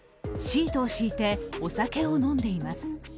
シートを敷いてお酒を飲んでいます。